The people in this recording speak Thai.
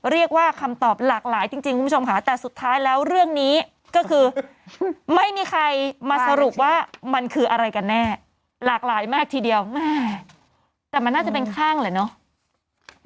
เรียกว่าคำตอบหลากหลายจริงคุณผู้ชมค่ะแต่สุดท้ายแล้วเรื่องนี้ก็คือไม่มีใครมาสรุปว่ามันคืออะไรกันแน่หลากหลายมากทีเดียวแม่แต่มันน่าจะเป็นข้างเหรอเนอะ